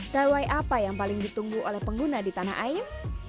ty apa yang paling ditunggu oleh pengguna di tanah air